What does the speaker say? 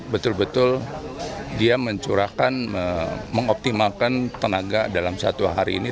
betul betul dia mencurahkan mengoptimalkan tenaga dalam satu hari ini